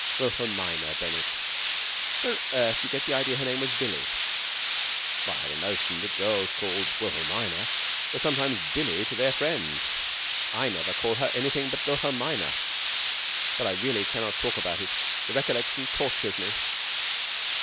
"Wilhelmina Bennett. Where on earth did you get the idea that her name was Billie?" "I had a notion that girls called Wilhelmina were sometimes Billie to their friends." "I never call her anything but Wilhelmina. But I really cannot talk about it. The recollection tortures me."